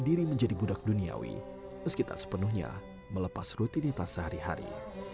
diri menjadi budak duniawi meski tak sepenuhnya melepas rutinitas sehari hari